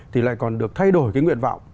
thì lại còn được thay đổi cái nguyện vọng